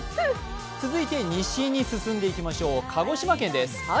続いて西に進んでいきましょう、鹿児島県です。